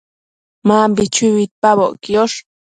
Mambi chui uidpaboc quiosh